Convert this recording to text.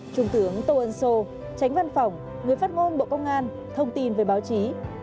trung tướng tô ân sô tránh văn phòng người phát ngôn bộ công an thông tin về báo chí